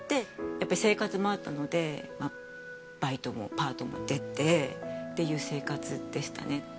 やっぱり生活もあったのでバイトもパートも出てっていう生活でしたね。